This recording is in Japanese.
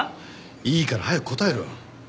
いいから早く答えろ。